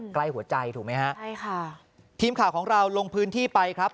ใกล้หัวใจถูกไหมฮะใช่ค่ะทีมข่าวของเราลงพื้นที่ไปครับ